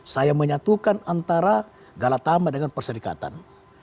saya menyatukan antara galatama dengan perserikatan